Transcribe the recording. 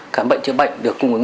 khám bệnh chữa bệnh được cung ứng